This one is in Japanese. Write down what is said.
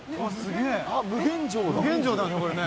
無限城だねこれね。